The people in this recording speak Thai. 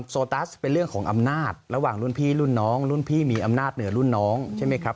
โซตัสเป็นเรื่องของอำนาจระหว่างรุ่นพี่รุ่นน้องรุ่นพี่มีอำนาจเหนือรุ่นน้องใช่ไหมครับ